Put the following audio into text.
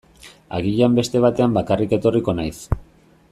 Agian beste batean bakarrik etorriko naiz.